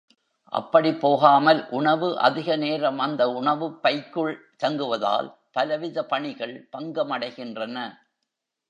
அப்படிப் போகாமல் உணவு அதிக நேரம் அந்த உணவுப் பைக்குள் தங்குவதால் பலவித பணிகள் பங்கமடைகின்றன.